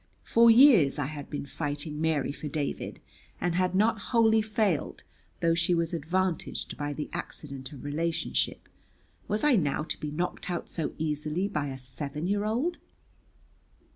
For years I had been fighting Mary for David, and had not wholly failed though she was advantaged by the accident of relationship; was I now to be knocked out so easily by a seven year old?